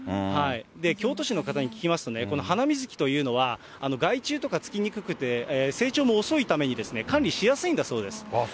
京都市の方に聞きますと、このハナミズキというのは、害虫とかつきにくくて、成長も遅いために、管理しやすいんだそうです。